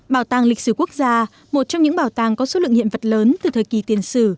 bảo tàng lịch sử quốc gia một trong những bảo tàng có số lượng hiện vật lớn từ thời kỳ tiền sử